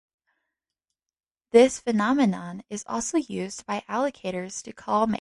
This phenomenon is also used by alligators to call mates.